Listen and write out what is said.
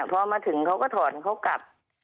พอมาถึงเขาก็ถอนเขากลับ